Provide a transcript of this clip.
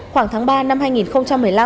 khoảng tháng ba năm hai nghìn một mươi năm